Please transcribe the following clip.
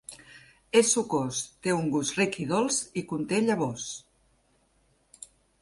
És sucós, té un gust ric i dolç i conté llavors.